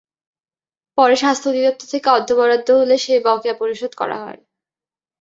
পরে স্বাস্থ্য অধিদপ্তর থেকে অর্থ বরাদ্দ এলে সেই বকেয়া পরিশোধ করা হয়।